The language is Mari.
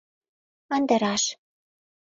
ынде раш.